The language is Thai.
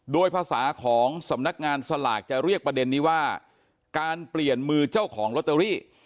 โดยภาษาของสำนักงานสลากจะเรียกประเด็นนี้ว่าการเปลี่ยนมือเจ้าของลอตเตอรี่